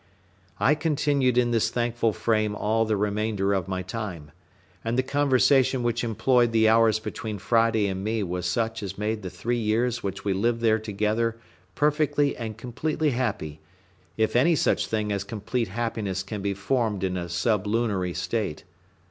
I continued in this thankful frame all the remainder of my time; and the conversation which employed the hours between Friday and me was such as made the three years which we lived there together perfectly and completely happy, if any such thing as complete happiness can be formed in a sublunary state.